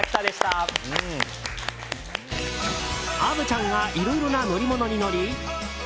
虻ちゃんがいろいろな乗り物に乗り